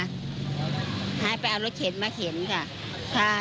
ให้ไปเอารถเข็นมาเข็นค่ะ